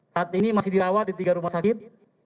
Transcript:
saat ini masih dirawat di tiga rumah sakit